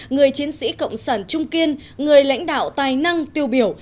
người chiến sĩ cộng sản trung kiên người lãnh đạo tài năng tiêu biểu